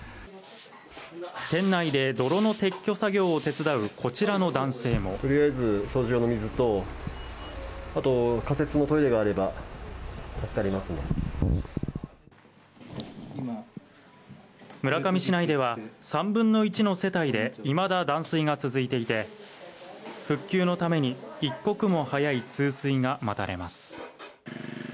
店内で泥の撤去作業を手伝うこちらの男性も村上市内では、３分の１の世帯でいまだ断水が続いていて、復旧のために一刻も早い通水が待たれます。